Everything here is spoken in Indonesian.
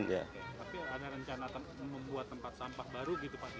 tapi ada rencana membuat tempat sampah baru gitu pak